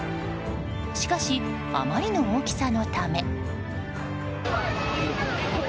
しかし、あまりの大きさのため。